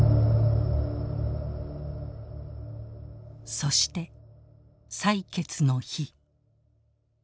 そして採決の日。